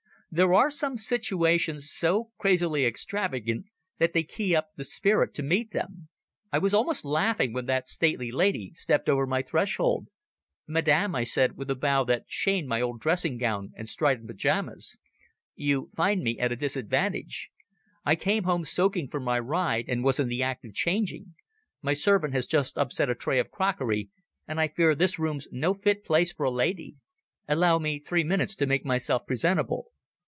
There are some situations so crazily extravagant that they key up the spirit to meet them. I was almost laughing when that stately lady stepped over my threshold. "Madam," I said, with a bow that shamed my old dressing gown and strident pyjamas. "You find me at a disadvantage. I came home soaking from my ride, and was in the act of changing. My servant has just upset a tray of crockery, and I fear this room's no fit place for a lady. Allow me three minutes to make myself presentable."